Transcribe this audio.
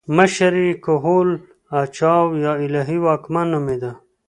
مشر یې کهول اجاو یا الهي واکمن نومېده